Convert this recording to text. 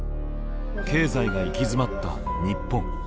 経済が行き詰まった日本。